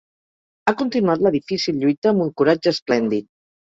Ha continuat la difícil lluita amb un coratge esplèndid